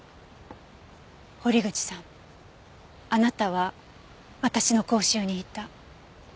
堀口さんあなたは私の講習にいた。